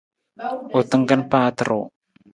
U tangkang paata ruu.